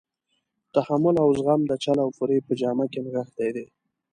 تحمل او زغم د چل او فریب په جامه کې نغښتی دی.